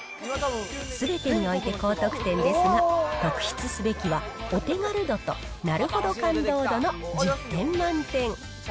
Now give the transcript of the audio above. すべてにおいて高得点ですが、特筆すべきは、お手軽度となるほど感動度の１０点満点。